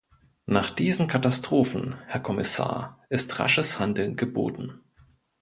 Nach diesen Katastrophen, Herr Kommissar, ist rasches Handeln geboten.